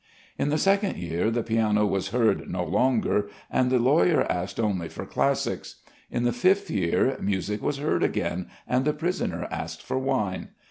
In the second year the piano was heard no longer and the lawyer asked only for classics. In the fifth year, music was heard again, and the prisoner asked for wine.